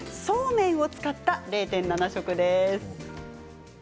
そうめんを使った０．７食です。